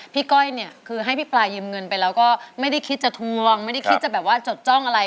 ก้อยเนี่ยคือให้พี่ปลายืมเงินไปแล้วก็ไม่ได้คิดจะทวงไม่ได้คิดจะแบบว่าจดจ้องอะไร